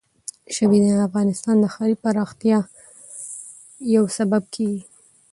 ژبې د افغانستان د ښاري پراختیا یو سبب کېږي.